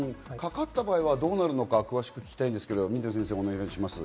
かかった場合はどうなるのか詳しく聞きたいんですけれど、お願いします。